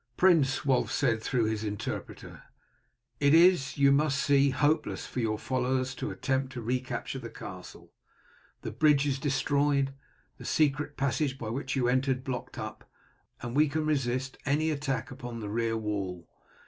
"Prince," Wulf said through his interpreter, "it is, you must see, hopeless for your followers to attempt to recapture this castle. The bridge is destroyed, the secret passage by which you entered blocked up, and we can resist any attack upon the rear wall.